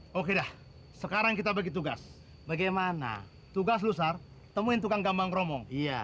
hai oke dah sekarang kita begitu gas bagaimana tugas lusar temuin tukang gampang romong iya